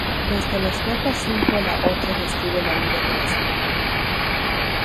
Desde la estrofa cinco a la ocho describe la vida de la señora.